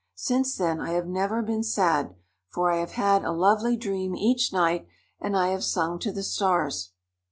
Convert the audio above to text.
Since then I have never been sad, for I have had a lovely dream each night, and I have sung to the Stars."